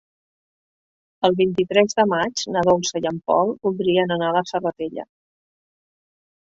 El vint-i-tres de maig na Dolça i en Pol voldrien anar a la Serratella.